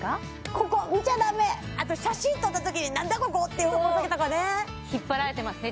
ここ見ちゃダメあと写真撮ったときに「なんだここ！」って思うときとかね引っ張られてますね